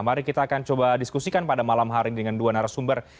mari kita akan coba diskusikan pada malam hari dengan dua narasumber